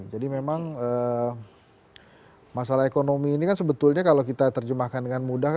jadi memang masalah ekonomi ini kan sebetulnya kalau kita terjemahkan dengan mudah